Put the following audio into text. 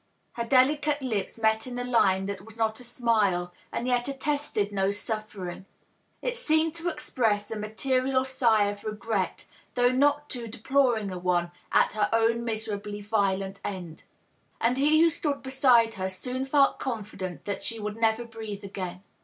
Her delicate lips met in a line that was not a smile, and yet attested no suffering. It seemed to express a material sigh of regret, though not too deploring a one, at her own miserably violent end. And he who stood beside her soon felt confident that she would never breathe again.